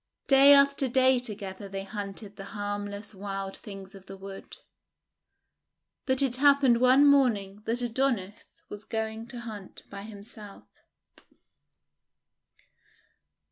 Day after day together they hunted the harm less wild things of the wood. But it happened one morning that Adonis was going to hunt by himself.